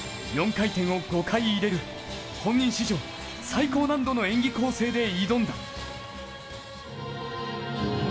４回転を５回いれる本人史上最高難度の演技構成で挑んだ。